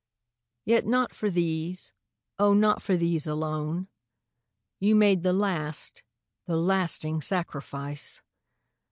Yet not for these, oh, not for these alone. You made the last, the lasting sacrifice